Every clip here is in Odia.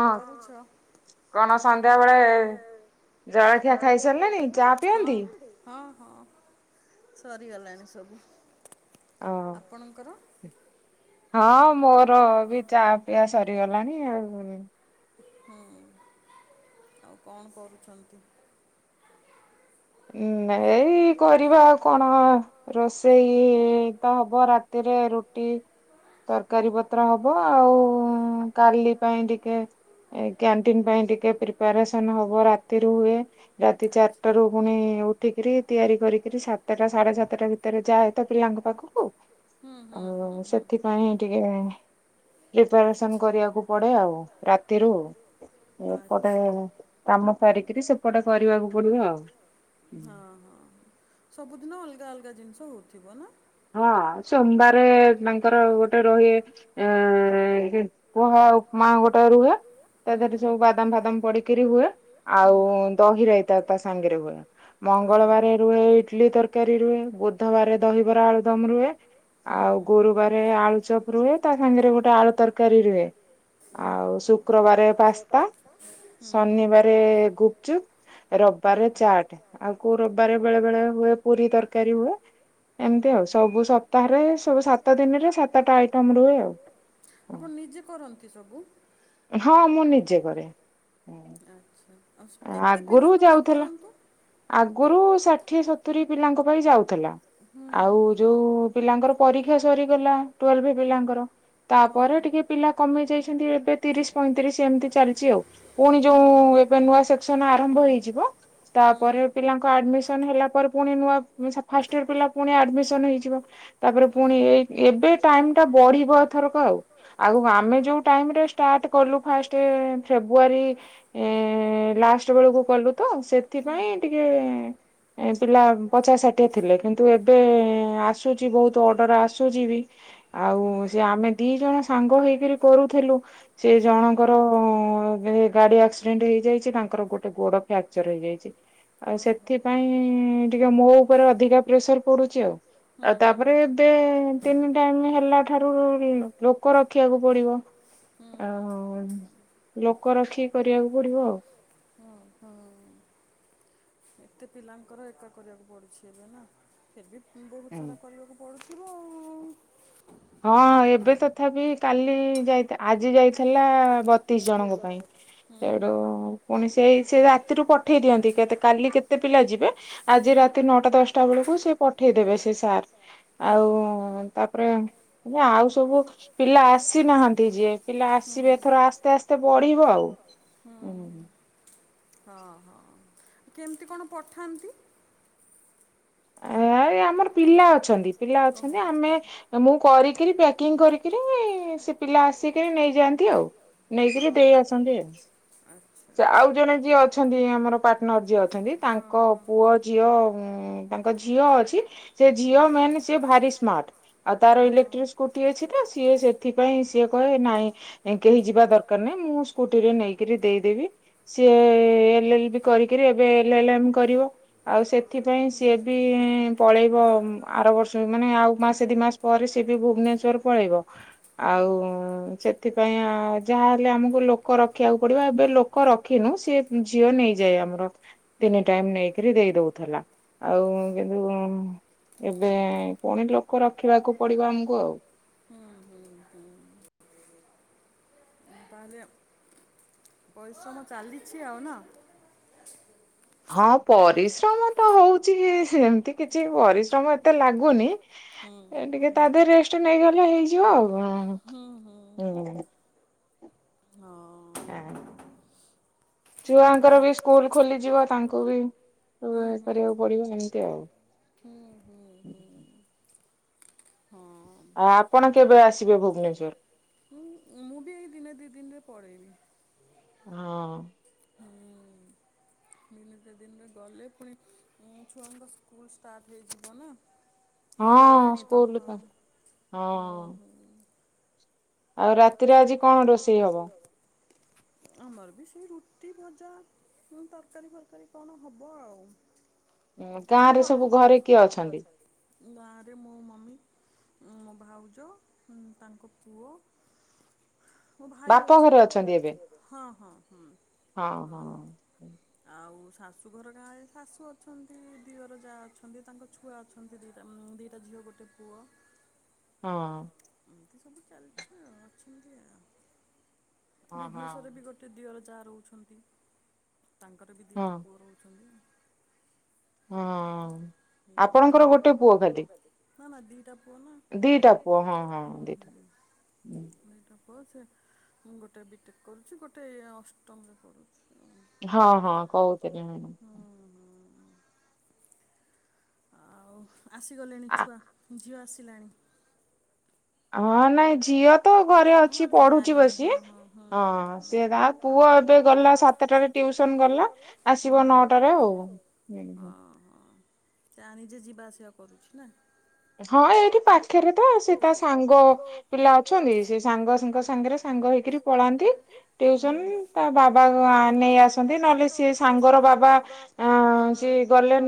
କରିଛ କଣ ସନ୍ଧ୍ୟା ବେଳେ ଜଳଖିଆ ଖାଇ ସାରିଲେଣି? ହଁ ହଁ ହଁ ସରିଗଲାଣି ସବୁ ଆପଣଙ୍କର? ହଁ ମୋର ବି ଚା ପିଆ ସରିଗଲାଣି ଆଉ। ହୁଁ ଆଉ କଣ କରୁଛନ୍ତି? ଏଇ କରିବା କଣ। ରୋଷେଇ ତ ହବ ରାତିରେ ରୁଟି। ତରକାରୀ ପତ୍ର ହବ ଆଉ କାଲି ପାଇଁ ଟିକେ ଏ କ୍ୟାଣ୍ଟିନ ପାଇଁ ଟିକେ ପ୍ରିପାରେସନ ହବ ରାତି ରୁ ହୁଏ ରାତି ଚାରିଟା ରୁ। ପୁଣି ଉଠିକିରି ତିଆରି କରିକିରି ସାତଟା ସାଢେ ସାତଟା ଭିତରେ ଯାଏ ତ ପିଲାଙ୍କ ପାଖକୁ। ଆଉ ସେଥିପାଇଁ ଟିକେ ପ୍ରିପାରେସନ କରିବାକୁ ପଡେ ଆଉ ରାତିରୁ। ଏପଟେ କାମ ସାରିକିରି ସେପଟେ କରିବାକୁ ପଡିବ ଆଉ। ହୁଁ ଓ ହୋ ସବୁଦିନ ଅଲଗା ଅଲଗା ଜିନିଷ ହଉଥିବ ନା। ହଁ ସୋମବାରେ ତାଙ୍କର ଗୋଟେ ରହେ ଏ ପୁହା ଉପମା ଗୋଟେ ରୁହେ ତା ଦେହରେ ସବୁ ବାଦାମ ଫାଦାମ ପଡିକିରି ହୁଏ ଆଉ ଦହି ରାଇତା ତା ସାଙ୍ଗରେ ହୁଏ ମଙ୍ଗଳବାର ରୁହେ ଇଡଲି ତରକାରୀ ରୁହେ ବୁଧବାର ଦହିବରା ଆଳୁଦମ ରୁହେ ଆଉ ଗୋରୁବାରେ ଆଳୁ ଚପ ରୁହେ ତା ସାଙ୍ଗରେ ଗୋଟେ ଆଳୁ ତରକାରୀ ରୁହେ ଆଉ ଶୁକ୍ରବାର ପାସ୍ତା ଶନିବାରେ ଗୁପଚୁପ ରବିବାରରେ ଚାଟ ଆଉ କୋଉ ରବିବାରେ ବେଳେ ବେଳେ ହୁଏ ପୁରୀ ତରକାରୀ ହୁଏ ଏମିତି ଆଉ ସବୁ ସପ୍ତାହରେ ସବୁ ସାତ ଦିନରେ ସାତଟା ଆଇଟମ ରୁହେ ଆଉ ଆପଣ ନିଜେ କରନ୍ତି ସବୁ ହଁ ମୁଁ ନିଜେ କରେ ଆ କେତେ ପିଲାଙ୍କ ପାଇଁ କରନ୍ତୁ ଆଗରୁ ଷାଠିଏ ସତୁରିୀ ପିଲାଙ୍କ ପାଇଁ ଯାଉଥିଲା ଆଉ ଯୋଉ ପିଲାଙ୍କର ପରୀକ୍ଷା ସରିଗଲା ଟଲଭ ପିଲାଙ୍କର ତାପରେ ଟିକେ ପିଲା କମେଇ ଯାଇଛନ୍ତି ଏବେ ତିରିଶ ପଇଁତିରିଶ ଏମିତି ଚାଲିଛି ଆଉ ପୁଣି ଯୋଉ ଏବେ ନୂଆ ସେକ୍ସନ ଆରମ୍ଭ ହେଇଯିବ। ପରେ ପିଲାଙ୍କ ଆଡମିସନ ହେଲା ପରେ ପୁଣି ନୂଆ ଫାଷ୍ଟ ଇୟର ପିଲା ପୁଣି ଆଡମିସନ ହେଇଯିବ। ତାପରେ ପୁଣି ଏଇ ଏବେ ଟାଇମ ଟା ବଢିବ ଏଥରକ ଆଉ ଆଉ ଆମେ ଯୋଉ ଟାଇମରେ ଷ୍ଟାର୍ଟ କଲୁ ଫାଷ୍ଟ ଫେବୃଆରୀ ଏ ଲାଷ୍ଟ ବେଳକୁ କଲୁ ତ ସେଥିପାଇଁ ଟିକେ ଏ ପିଲା ପଚା ଷାଠିଏ ଥିଲେ କିନ୍ତୁ ଏବେ ଆସୁଛି ବହୁତ ଅର୍ଡର ଆସୁଛି ବି ଆଉ ସେ ଆମେ ଦି ଜଣ ସାଙ୍ଗ ହେଇକରି କରୁଥିଲୁ ସେ ଜଣଙ୍କର ଗାଡି ଆକ୍ସିଡେଣ୍ଟ ହେଇଯାଇଛି ତାଙ୍କର ଗୋଟେ ଗୋଡ ଫ୍ରାକ୍ଚର ହେଇଯାଇଛି ଆଉ ସେଥିପାଇଁ ଟିକେ ମୋ ଉପରେ ଅଧିକା ପ୍ରେସର ପଡୁଛି ଆଉ ଆଉ ତାପରେ ଏବେ ତିନି ଟାଇମ ହେଲା ଠାରୁ ଲୋକ ରଖିବାକୁ ପଡିବ ଆଉ ଲୋକ ରଖିକି କରିବାକୁ ପଡିବ ଆଉ ଏତେ ପିଲାଙ୍କର ଏକା କରିବାକୁ ପଡ଼ୁଛି ଏବେ ନା ଏବେ ବହୁତ ସାରା କରିବାକୁ ପଡ଼ୁଛି ହଁ ହଁ ଏବେ ତଥାପି କାଲି ଯାଇ ଆଜି ଯାଇଥିଲା ତିଶ ଜଣଙ୍କ ପାଇଁ ସେଡୁ ପୁଣି ସେଇ ସେ ରାତିରୁ ପଠେଇ ଦିଅନ୍ତି କେ କାଲି କେତେ ପିଲା ଯିବେ ଆଜି ରାତି ନଅଟା ଦଶଟା ଟା ବେଳକୁ ସେ ପଠେଇଦବେ ସେ ସାର୍ ଆଉ ତାପରେ ନା ଆଉ ସବୁ ପିଲା ଆସିନାହାନ୍ତି ଯିଏ ପିଲା ଆସିବେଥର ଆସ୍ତେ ଆସ୍ତେ ପଢିବ ଆଉ ହୁଁଁ ହଁ ହଁ କେମିତି କଣ ପଠାନ୍ତି ଆରେ ଆମର ପିଲା ଅଛନ୍ତି ପିଲା ଅଛନ୍ତି ଆମେ ମୁଁ କରିକିରି ପ୍ୟାକିଂ କରିକରି ସେ ପିଲା ଆସିକିରି ନେଇଯାଆନ୍ତି ଆଉ ନେଇକି ଦେଇ ଆସନ୍ତି ଆଉ ସେ ଆଉ ଜଣେ ଯିଏ ଅଛନ୍ତି ଆମର ପାର୍ଟନର ଯିଏ ଅଛନ୍ତି ତାଙ୍କ ପୁଅ ଝିଅ ଉ ତାଙ୍କ ଝିଅ ଅଛି ସେ ଝିଅ ମାନ ସି ଭାରି ସ୍ମାର୍ଟ ଆଉ ତାର ଇଲେକ୍ଟ୍ରିକ ସ୍କୁଟି ଅଛି ତ ସିଏ ସେଥିପାଇଁ ସିଏ କହେ ନାଇଁ କେହି ଯିବା ଦରକାର ନାହିଁ ମୁଁ ସ୍କୁଟିରେ ନେଇକରି ଦେଇଦେବି ସିଏ ଏଲ ଏଲ ବି କରିକରି ଏବେ ଏଲ ଏଲମ କରିବ ଆଉ ସେଥିପାଇଁ ସିଏ ବି ପଳେଇବ ଆର ବର୍ଷ ମାନେ ଆଉ ମାସେ ଦୁଇ ମାସ ପରେ ସିଏ ବି ଭୁବନେଶ୍ୱର ପଳେଇବ ଆଉ ସେଥିପାଇଁ ଯାହାହଲେ ଆମକୁ ଲୋକ ରଖିବାକୁ ପଡିବ ଏବେ ଲୋକ ରଖିନୁ ସିଏ ଝିଅ ନେଇଯାଏ ଆମର ତିନି ଟାଇମ ନେଇକରି ଦେଇ ଦଉଥିଲା ଆଉ କିନ୍ତୁ ଏବେ ପୁଣି ଲୋକ ରଖିବାକୁ ପଡିବ ଆମକୁ ଆଉ। ତାହେଲେ ପରିଶ୍ରମ ଚାଲିଛି ଆଉ ନା। ହଁ ପରିଶ୍ରମ ତ ହଉଛି ସେମିତି କିଛି ପରିଶ୍ରମ ଏତେ ଲାଗୁନି ଏ ଟିକେ ତା ଦେହରେ ରେଷ୍ଟ ନେଇଗଲେ ହେଇଯିବ ଆଉ କଣ ହୁଁ ହଁ। ଆ ଛୁଆଙ୍କର ବି ସ୍କୁଲ ଖୋଲିଯିବ ତାଙ୍କୁ ବି ଇଏ କରିବାକୁ ପଡିବ ଏମିତି ଆଉ ହୁଁ ହୁଁ ହୁଁ। ଆଉ ଆପଣ କେବେ ଆସିବେ ଭୁବନେଶ୍ଵର? ହୁଁ ମୁଁ ବି ଏଇ ଦିନେ ଦି ଦିନ ରେ ପଳେଇବି। ହଁ। ତ ଦିନରେ ଗଲେ ପୁଣି ଉଁ ଛୁଆଙ୍କ ସ୍କୁଲ ଷ୍ଟାର୍ଟ ହେଇଯିବ ନା। ହଁ ସ୍କୁଲ ତ ହଁ ଆଉ ରାତିରେ ଆଜି କଣ ରୋଷେଇ ହବ। ଆମର ବି ସେଇ ରୁଟି ଭଜା। ହୁଁ ତରକାରୀ ଫରକାରୀ କଣ ହବ ଆଉ ବାରେ ସବୁ ଘରେ କିଏ ଅଛନ୍ତି ଗାଁରେ ମୋ ମମି ମୋ ଭାଉଜ ତାଙ୍କ ପୁଅ ମୋ ଭାଇ ଅ ହଁ ହଁ ହଁ ହଁ ହଁ। ଆଉ ଶାଶୁ ଘର ଗାଁରେ ଶାଶୁ ଅଛନ୍ତି ଦିଅର ଯା ଅଛନ୍ତି ତାଙ୍କ ଛୁଆ ଅ ଅଛନ୍ତି ଦୁଇଟା ଦୁଇଟା ଝିଅ ଗୋଟଏ ପୁଅ। ହଁ। ସବୁ ଚାଲିଛି ସେମତି ଭୁବନେଶ୍ୱରରେ ବି ଗୋଟେ ଦିଅର ଯା ରହୁଛନ୍ତି। ତାଙ୍କର ବି ଦୁଇଟା ପୁଅ ରହୁଛନ୍ତି। ହଁ ଆପଣଙ୍କର ଗୋଟେ ପୁଅ ଖାଲି। ନା ନା ଦିଟା ପୁଅ ନା ଦିଟା ପୁଅ ହୁଁ ହୁଁ ଦିଟା ପୁଅ ସେ ମୁଁ ଗୋଟେ ବିଟେକ୍ କରୁଛି ଗୋଟେ ଅଷ୍ଟମରେ ପଢ଼ୁଚି। ହଁ ହଁ କହୁଥିଲେ ହୁଁ। ଆଉ ଆସିଗଲେଣି ଛୁଆ ଝିଅ ଆସିଲାଣି। ଅ ହଁ ନାଇଁ ଝିଅ ତ ଘରେ ଅଛି ପଢୁଛି ବସି ହଁ ସେ ତା ପୁଅ ଏବେ ଗଲା ସାତଟାରେ ଟ୍ୟୁସନ ଗଲା ଆସିବ ନଅଟାରେ ଆଉ ହୁଁ ହୁଁ ସେ ଆଣିଯେ ଯିବା ଆସିବା କରୁଛି ନା। ହଁ ଏଇଠି ପାଖରେ ତ ସେ ତା ସାଙ୍ଗ ପିଲା ନ୍ତୀ ସାଙ୍ଗ ସାଙ୍ଗରେ ସାଙ୍ଗ ହେଇକିରି ପଳାନ୍ତି ଟ୍ୟୁସନ ତା ବା ବାବା ନେଇ ଆସନ୍ତି ନହେଲେ ସିଏ ସାଙ୍ଗର ବାବା ସିଏ ଗଲେ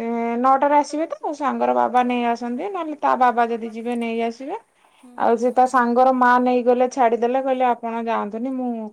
ଏ ନଅଟାରେ ଆସିବେ ତ ସାଙ୍ଗର ବାବା ନେଇ ଆସ ନ୍ତି ନହେଲେ ତା ବାବା ଯଦି ଯିବେ ନେଇ ଆସିବେ ଆଉ ସେ ତା ସାଙ୍ଗର ମା ନେଇଗଲେ ଛାଡିଦେଲେ କହିଲେ ଆପଣ ଯାଆନ୍ତୁନି ମୁଁ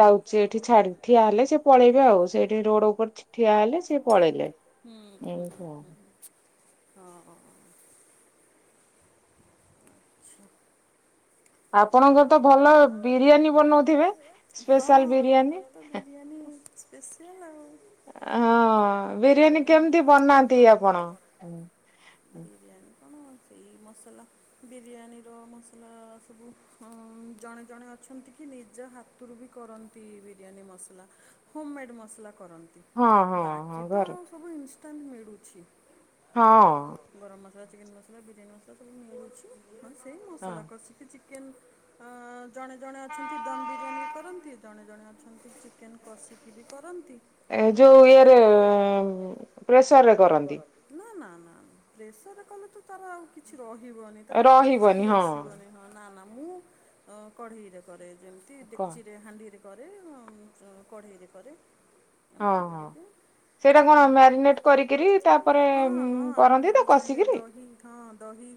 ଯାଉଛି ଏଠି ଛାଡି ଠିଆ ହେଲେ ସେ ପଳେଇବେ ଆଉ ସେଠି ରୋଡ ଉପରେ ଠିଆ ହେଲେ ସେ ପଳେଇଲେ ଏମିତି ଆଉ ହଁ। ଆପଣଙ୍କର ତ ଭଲ ବିରିୟାନୀ ବନଉଥିବେ ସ୍ପେଶାଲ ବିରିୟାନୀ। ତ ବିରିୟାନୀ ସ୍ପେସିଆଲ ଆଉ। ହଁ ବିରିୟାନୀ କେମିତି ବନାନ୍ତି ଆପଣ। ବିରିୟାନୀ କଣ ସେଇ ମସଲା ବିରିୟାନୀର ମସଲା ସବୁ ହଁ ଜଣେ ଜଣେ ଅଛନ୍ତି କି ନିଜ ହାତରୁ ବି କରନ୍ତି ବିରିୟାନୀ ମସଲା। ହୋମ ମେଡ଼ ମସଲା କରନ୍ତି ବାକି ତ ଆଉ ସବୁ ଇନଷ୍ଟାଣ୍ଟ ମିଳୁଛି। ହଁ। ଗରମ ମସଲା, ଚିକେନ୍ ମସଲା, ବିରିୟାନୀ ମସଲା ସବୁ ମିଳୁଛି ମାନେ ସେଇ ମସଲା କସିକିି ଚିକେନ୍ ଅ ଜଣେ ଜଣେ ଅଛନ୍ତି ଦମ ବିରିୟାନୀ କରନ୍ତି ଜଣେ ଜଣେ ଅଛନ୍ତି ଚିକେନ ବସିକି ବି କରନ୍ତି। ଏ ଯୋଉ ଇଏରେ ପ୍ରେସରରେ କରନ୍ତି। ନା ନା ନା ପ୍ରେସରରେ କଲେ ତ ତାର ଆଉ କିଛି ରହିବନି ତାପରେ ଟେଷ୍ଟ ବି ଆସିବନି। ହଁ ନା ନା ମୁଁ କଢେଇରେ କରେ ଯେମିତି ଦେଖଚିରେ ହାଣ୍ଡିରେ କରେ କଢ଼େଇରେ କରେ ଏମିତି କରିକି। ହଁ ହଁ ଆପଣ ଯଦି ଚାହିଁବୁ ଦହି ହଁ ଦହି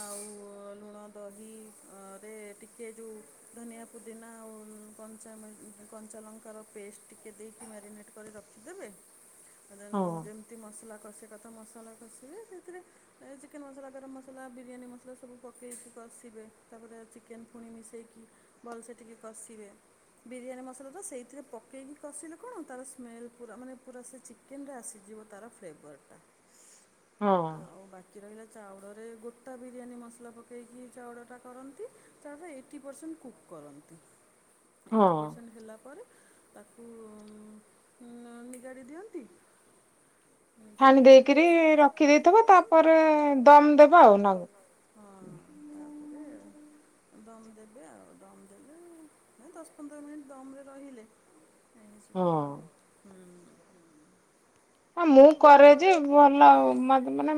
ଆଉ ଲୁଣ ଦହି ରେ ଟିକଏ ଯେଉଁ ଧନିଆ ପୁଦିନା ଆଉ କଞ୍ଚା କଞ୍ଚା ଲଙ୍କାର ପେଷ୍ଟ ଟିକେ ଦେଇକି ମ୍ୟାରିନେଟ୍ କରି ରଖିଦେବେ। ଯେମିତି ମସଲା କଷ କଥା ମସଲା କଷିଲେ ସେଥିରେ ଏ ଚିକେନ ମସଲା ଗରମ ମସଲା ବିରିୟାନୀ ମସଲା ସବୁ ପକେଇକି ଆସିବେ। ତାପରେ ଚିକେନ ପୁଣି ମିଶାଇକି ଭଲସେ ଟିକେ କଷିବେ। ବିରିୟାନୀ ମସଲା ତ ସେଇଥିରେ ପକେଇକି କଷିଲେ କଣ ତାର ସ୍ମେଲ ପୁରା ମାନେ ପୁରା ସେ ଚିକେନ୍ରେ ଆସିଯିବ ତାର ଫ୍ଲେଭରଟା। ହଁ କି ରହିଲା ଚାଉଳରେ ଗୋଟା ବିରିୟାନୀ ମସଲା ପକାଇକି ଚାଉଳଟା କରନ୍ତି ତାପା ଏଇଟି ପରସେଣ୍ଟ କୁକ୍ କରନ୍ତି। ଏଇଟି ପରସେଣ୍ଟ ହେଲା ପରେ ତାକୁ ନିଗାଡ଼ି ଦିଅନ୍ତି। ଛାଣି ଦେଇକରି ରଖିଦେଇଥବ ତାପରେ ଦମ ଦେବା ଆଉ ନା ହଁ ହୁଁ ଦମ ଦେବେ ଆଉ ଦମ୍ ଦେବେ ନାଇ ଦଶ ପନ୍ଦର ମିନିଟ୍ ଦମରେ ରହିଲେ ହୁଁ ଆ ମୁଁ କରେ ଯେ ଭଲ ମାନେ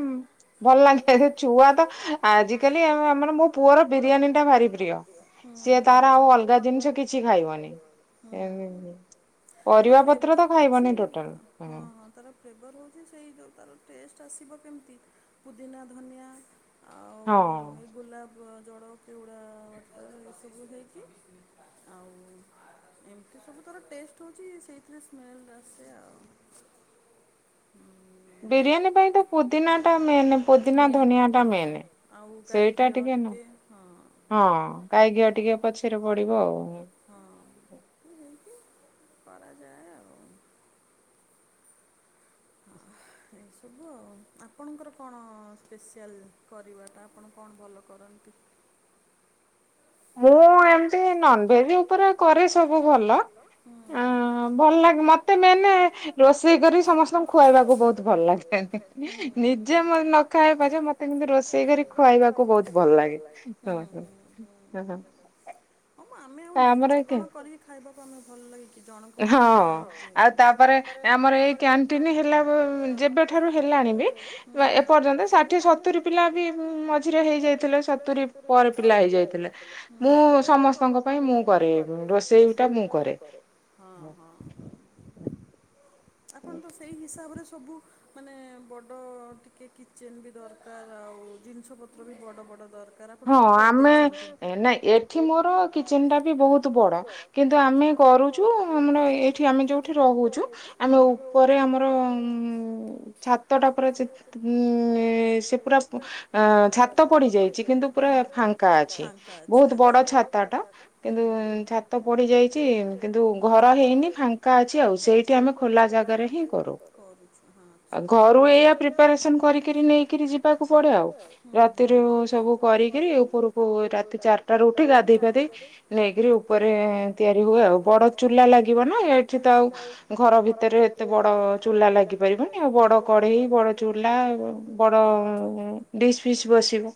ଭଲ ଲାଗେ ସେ ଛୁଆ ତ ଆଜିିକାଲି ଆ ପୁଅର ବିରିୟାନୀ ଟା ଭାରି ପ୍ରିୟ ସିଏ ତାର ଆଉ ଅଲଗା ଜିନିଷ କିଛି ଖାଇବନି ହଁ ହଁ ହ ତାର ଫ୍ରବର୍ ହଉଛି ହଁ ହଁ ତାର ଫ୍ଲେଭର ହେଉଛି ସେଇ ଯେଉଁ ତାର ଟେଷ୍ଟ ଆସିବ କେମିତି ପୁଦିନା ଧନିଆ ଆଉ ଏ ଗୋଲାପ ଜଡ଼ ପିଉଡ଼ା ଅଟା ଏସବୁ ହେଇକି ଆଉ ଏମିତି ସବୁ ତର ଟେଷ୍ଟ ହଉଛି ସେଇଥିରେ ସ୍ମେଲ ଆସେ ଆଉ ବିରିୟାନୀ ପାଇଁ ତ ପୁଦିନା ଟା ମେନ୍ ପୁଦିନା ଧନିଆ ଟା ମେନ୍ ସେଇଟା ଟିକେ ହଁ କାହିଁ ଘିଅ ଟିକେ ପଛରେ ପଡିବ ଆଉ। ହଁମତି କରାଯାଏ ଆଉ ବ ଏସବୁ ଆ ଆପଣଙ୍କର କଣ ସ୍ପେଶଆଲ କରିବାଟା ଆପଣ କଣ ଭଲ କରନ୍ତି। ମୁଁ ଏମତି ନନଭେଜ ଉପରେ ପରେ ସବୁ ଭଲ ଭଲ ମତେ ମାନେ ରୋଷେଇ କରି ସମସ୍ତଙ୍କୁ ଶୁଆଇବାକୁ ବହୁତ ଭଲ ଲାଗିଥା ହୁଁ ନିଜ ମୋକ ରୋଷେଇଗାର ଖାଇବା ତ ବହୁତ ପଡିଲଣିି ହୁଁ ହୁଁ ହଁ ଆମେ ଆଉ ନିଜେ କଣ କରିକି ଖାଇବାକୁ ଆମେ ଭଲ ଲାଗ କିି ଜଣଙ୍କ ପାଇଁ ଖ ଆମର ଏଇ କ୍ୟାଣ୍ଟିନ ହେଲା ଯେବେଠାରୁ ହେଲାଣି ବି ଏପର୍ଯ୍ୟନ୍ତ ଷାଠିଏ ସତୁରି ପିଲା ବି ମଝିରେ ହେଇଯାଇଥିଲେ ସତୁରି ପରେ ପିଲା ହେଇଯାଇଥିଲେ ମୁଁ ସମସ୍ତ ସ୍ତଙ୍କ ପାଇଁ ମୁଁ କରେ ରୋଷେଇ ଟା ମୁଁ କରେ। ଆପଣ ତ ସେଇ ହିାବ ତାପରେ ସବୁ ମାନେ ବଡ଼ ଟିକେ କିଚେନ୍ ବି ଦରକାର ଆଉ ଜିନିଷ ପତ୍ର ବି ବଡ଼ ବଡ଼ ଦରକାର ଆପଣ ସବୁ କରିଦେଇ ନାଇଁ ଏଠି ମୋର କି ଚତା ବି ବହୁତ ବଡ କିନ୍ତୁ ଆମେ କରୁଛୁ ଆମର ଏଇଠି ଆମେ ଯୋଉଠି ରହୁଛୁ ଆମେ ଉପରେ ଆମର ଛାତ ଟା ପୁରା ଉ ସେ ପୁରା ଛାତ ପଡିଯାଇଛି କିନ୍ତୁ ପୁରା ଫାଙ୍କା ଅଛି ବହୁତ ବଡ ଛତାଟା କିନ୍ତୁ ଛାତ ପଡି ଯାଇଛି କିନ୍ତୁ ଘର ହେଇନି ଫାଙ୍କା ଅଛି ଆଉ ସେଇଠି ଆମେ ଖୋଲା ଜାଗାରେ ହିଁ କରୁ ଆ ଘରୁ ଏଇ ପ୍ରିପାରେସ କର ନେଇ ଯିବାକୁ ପଡେ ଆଉ ରାତିରେ ସବୁ କରିକିରି ଉପରକୁ ରାତି ଚାରିଟ ର ଉଠି ଗାଧେଇ ଫାଧେଇ ନେଇକରି ଉପରେ ତିଆରି ହୁଏ ଆଉ ବଡ ଚୁଲା ଲାଗିବ ନା ଏଠି ତ ଆଉ ଭିତରେ ଏତେ ବଡ ଚୁଲା ଲାଗି ପାରିବନି ଆଉ ବଡ କଢେଇ ବଡ ଚୁଲା ବଡ ଡିସ୍ ଫିସ୍ ବସିବ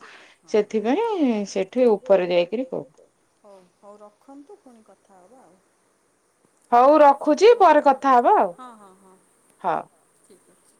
ସେଥିପାଇଁ ସେଠି ଉପରେ ଯାଇକିରି କୁ ହଉ ହଉ ରଖନ୍ତୁ ପୁଣି କଥା ହେବ ଆଉ ହଉ ରଖୁଛି ପରେ କଥା ହବ ହଁ ହଁ ହଁ ଠିକ ଅ